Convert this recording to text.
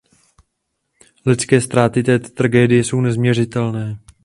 Lidské ztráty této tragédie jsou nezměřitelné.